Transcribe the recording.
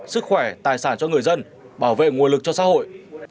sức khỏe tài sản cho người dân bảo vệ nguồn lực cho xã hội